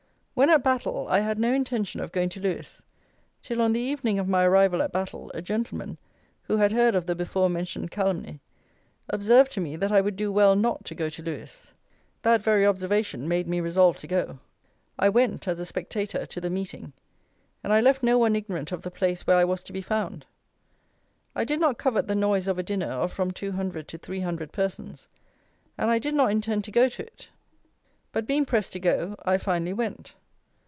When at Battle, I had no intention of going to Lewes, till on the evening of my arrival at Battle, a gentleman, who had heard of the before mentioned calumny, observed to me that I would do well not to go to Lewes. That very observation, made me resolve to go. I went, as a spectator, to the meeting; and I left no one ignorant of the place where I was to be found. I did not covet the noise of a dinner of from 200 to 300 persons, and I did not intend to go to it; but, being pressed to go, I finally went.